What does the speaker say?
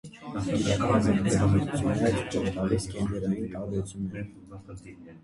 Գիտական հետազոտությունները ցույց են տալիս գենդերային տարբերությունները։